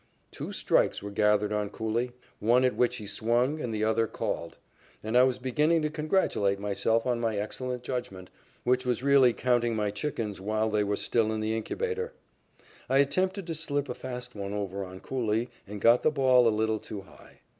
Two strikes were gathered on Cooley, one at which he swung and the other called, and I was beginning to congratulate myself on my excellent judgment, which was really counting my chickens while they were still in the incubator. I attempted to slip a fast one over on Cooley and got the ball a little too high.